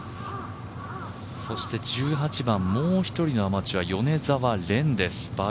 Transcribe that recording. そして１８番、もう一人のアマチュア・米澤蓮です。